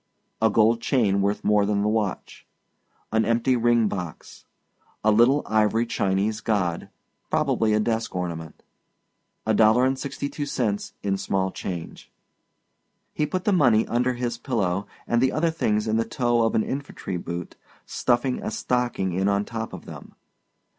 A gold chain worth more than the watch. An empty ring box. A little ivory Chinese god probably a desk ornament. A dollar and sixty two cents in small change. He put the money under his pillow and the other things in the toe of an infantry boot, stuffing a stocking in on top of them.